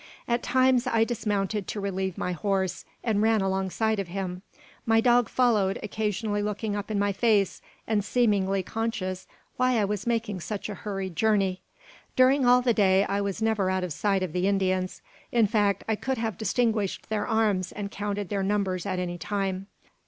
At times I dismounted to relieve my horse, and ran alongside of him. My dog followed, occasionally looking up in my face, and seemingly conscious why I was making such a hurried journey. During all the day I was never out of sight of the Indians; in fact, I could have distinguished their arms and counted their numbers at any time.